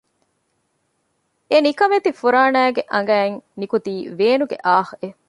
އެނިކަމެތި ފުރާނައިގެ އަނގައިން ނިކުތީ ވޭނުގެ އާހް އެއް